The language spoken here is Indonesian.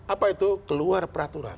apa itu keluar peraturan